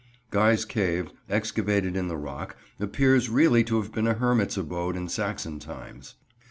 Guy's Cave, excavated in the rock, appears really to have been a hermit's abode in Saxon times.